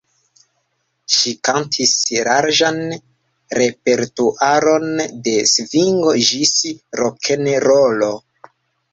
Ŝi kantis larĝan repertuaron de svingo ĝis rokenrolo.